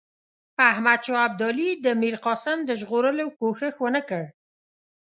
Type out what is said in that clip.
احمدشاه ابدالي د میرقاسم د ژغورلو کوښښ ونه کړ.